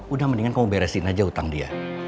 udah mendingan kamu beresin aja utang dia